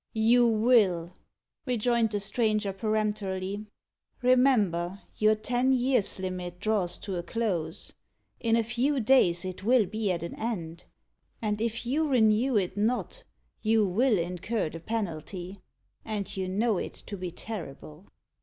"You will," rejoined the stranger peremptorily. "Remember, your ten years' limit draws to a close. In a few days it will be at an end; and if you renew it not, you will incur the penalty, and you know it to be terrible.